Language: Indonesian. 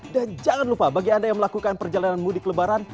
dan jangan lupa bagi anda yang melakukan perjalanan mudik lebaran